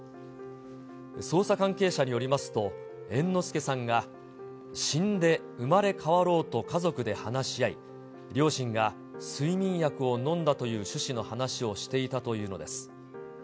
捜査関係者によりますと、猿之助さんが死んで生まれ変わろうと家族で話し合い、両親が睡眠薬をのんだという趣旨の話をしていたというのです。